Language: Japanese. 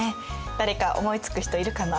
誰か思いつく人いるかな？